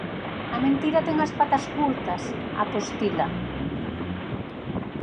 A mentira ten as patas curtas, apostila.